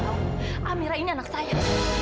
jangan masuk ke bawah amira ini anak saya